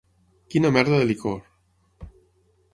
Quina merda de licor!